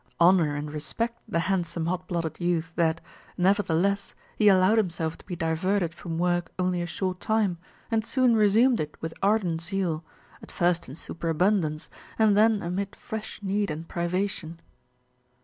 Honour and respect the handsome, hot blooded youth that, nevertheless, he allowed himself to be diverted from work only a short time and soon resumed it with ardent zeal, at first in superabundance, and then amid fresh need and privation."